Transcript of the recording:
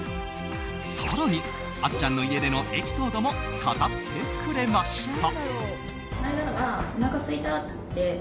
更に、あっちゃんの家でのエピソードも語ってくれました。